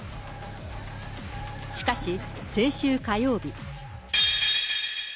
しかし、先週火曜日。